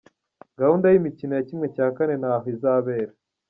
Gahunda y’imikino ya ¼ n’aho izabera.